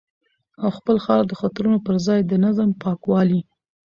او خپل ښار د خطرونو پر ځای د نظم، پاکوالي